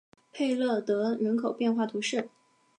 佩勒雷人口变化图示